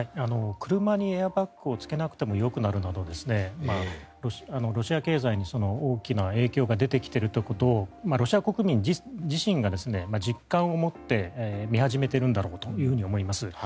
車にエアバッグをつけなくてもよくなるなどロシア経済に大きな影響が出てきているということをロシア国民自身が実感を持って見始めているんだろうと思います。